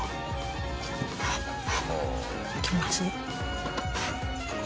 気持ちいい。